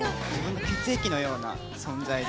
血液のような存在で。